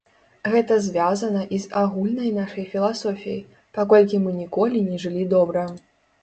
Гэта звязана і з агульнай нашай філасофіяй, паколькі мы ніколі не жылі добра.